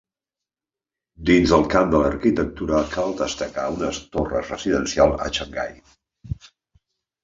Dins el camp de l'arquitectura cal destacar unes torres residencials en Xangai.